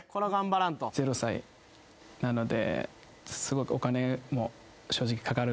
０歳なので。